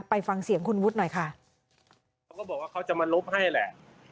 ไปฟังเสียงคุณวุฒิหน่อยค่ะเขาก็บอกว่าเขาจะมาลบให้แหละ